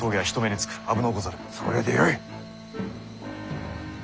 それでよい。